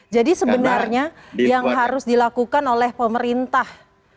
jadi sebenarnya yang harus dilakukan oleh pemerintah